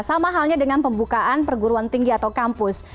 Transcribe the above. sama halnya dengan pembukaan perguruan tinggi atau kampus